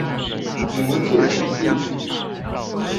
魔戒首部曲